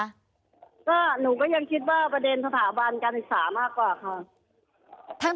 ก็หนูก็ยังคิดว่าประเด็นสถาบันการศึกษามากกว่าค่ะ